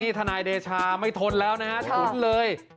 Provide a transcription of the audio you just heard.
ที่ทนายเดชาไม่ทนแล้วนะครับหุ้นเลย